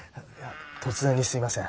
突然にすいません。